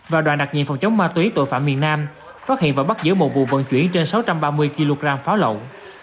và đoàn đặc nhiệm phòng chống ma túy tội phạm miền nam phát hiện và bắt giữ một vụ vận chuyển trên sáu trăm ba mươi kg pháo lậu